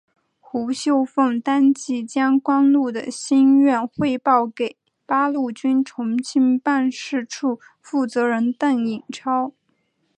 胡绣凤当即将关露的心愿汇报给八路军重庆办事处负责人邓颖超。